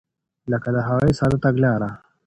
لکه د هغې ساده تګلاره.